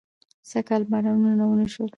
سږکال بارانونه ونه شو